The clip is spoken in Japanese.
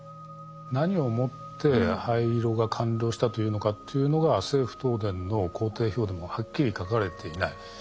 何をもって廃炉が完了したというのかというのが政府・東電の工程表でもはっきり書かれていない。